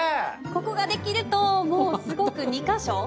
ここができるともうすごく２カ所。